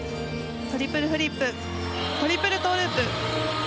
トリプルフリップトリプルトウループ。